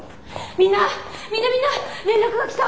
みんなみんな連絡が来た！